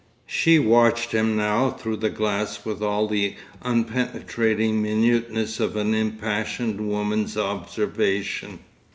She watched him now through the glass with all the unpenetrating minuteness of an impassioned woman's observation.